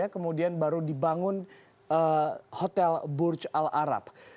kemudian baru dibangun hotel burj al arab